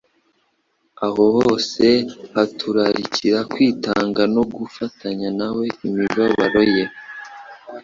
aho hose haturarikira kwitanga no gufatanya na we imibabaro ye.